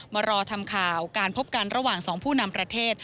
มารอทำข่าวการพบกันระหว่างสองผู้นำประเทศ